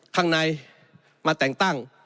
ข้างในมาแต่งตั้ง